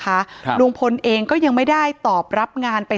ถ้าใครอยากรู้ว่าลุงพลมีโปรแกรมทำอะไรที่ไหนยังไง